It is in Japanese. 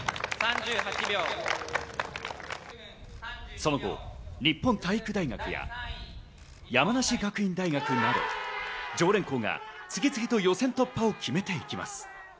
その後、日本体育大学や山梨学院大学など常連校が次々と予選突破を決めていきます。